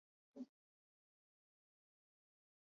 鸦鹃属为鹃形目杜鹃科的一属。